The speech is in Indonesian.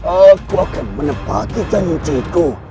aku akan menepati janji itu